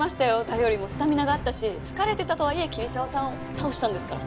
誰よりもスタミナがあったし疲れてたとはいえ桐沢さんを倒したんですから。